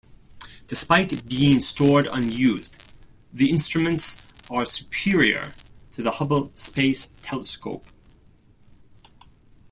Despite being stored unused, the instruments are superior to the Hubble Space Telescope.